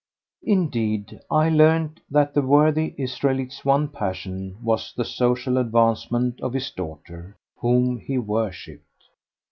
Indeed, I learned that the worthy Israelite's one passion was the social advancement of his daughter, whom he worshipped.